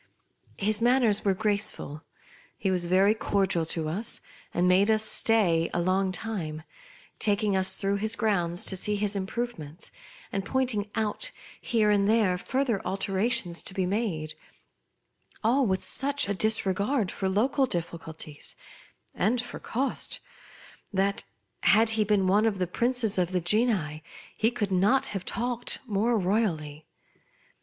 His manners were grace ful. He was very cordial to us, and made us stay a long time, taking us through his grounds to see his improvements, and point ing out here and there further alterations to be made, all with such a disregard for local difficulties, and for cost, that, had he been one of the princes of the genii he could not have talked more royally.